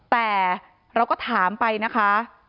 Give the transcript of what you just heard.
แต่เราก็ถามไปนะคะ